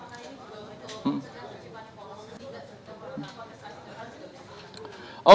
jadi tidak tertempat untuk mengesan kejahatan